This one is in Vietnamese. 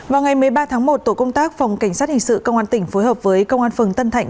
vào ngày một mươi ba tháng một tổ công tác phòng cảnh sát hình sự công an tỉnh phối hợp với công an phường tân thạnh